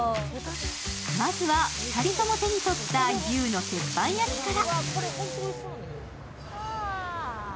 まずは、２人とも手に取った牛の鉄板焼きから。